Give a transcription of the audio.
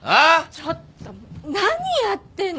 ちょっと何やってんの！